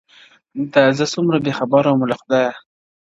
دا زه څومره بېخبره وم له خدایه-